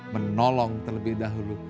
menolong terlebih dahulu